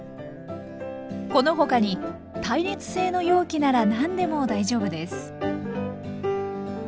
この他に耐熱性の容器なら何でも大丈夫です。